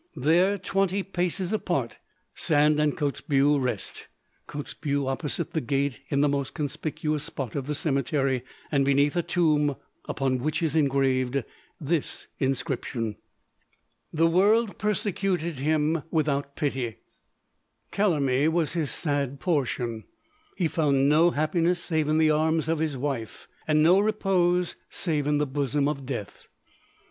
There, twenty paces apart, Sand and Kotzebue rest: Kotzebue opposite the gate in the most conspicuous spot of the cemetery, and beneath a tomb upon which is engraved this inscription: "The world persecuted him without pity, Calumny was his sad portion, He found no happiness save in the arms of his wife, And no repose save in the bosom of death.